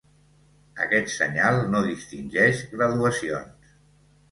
Aquest senyal no distingeix graduacions.